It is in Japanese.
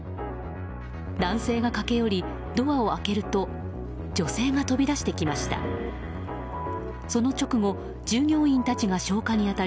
男性が駆け寄りドアを開けると女性が飛び出してきました。